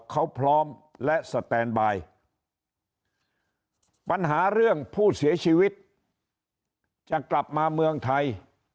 เขาพร้อมและสแตนบายปัญหาเรื่องผู้เสียชีวิตจะกลับมาเมืองไทย